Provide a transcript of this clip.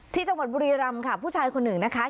ที่จังหวัดบุรีรำค่ะผู้ชายคนหนึ่งนะคะ